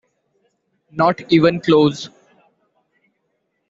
Not even close.